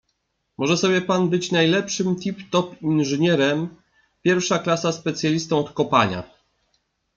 Może sobie pan być najlepszy tip-top inżynierem, pierwsza klasa specjalistą od kopania